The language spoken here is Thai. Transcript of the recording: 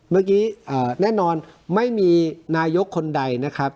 เมื่อกี้แน่นอนไม่มีนายกคนใดนะครับ